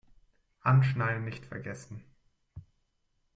Anschnallen nicht vergessen!